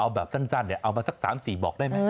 เอาแบบสั้นเอามาสัก๓๔บอกได้ไหม